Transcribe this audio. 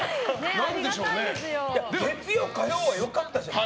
月曜、火曜は良かったじゃない。